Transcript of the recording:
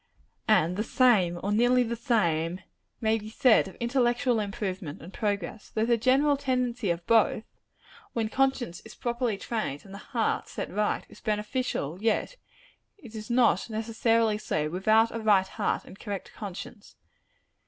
And the same, or nearly the same, may be said of intellectual improvement and progress. Though the general tendency of both when conscience is properly trained and the heart set right is beneficial, yet it is not necessarily so, without a right heart and correct conscience.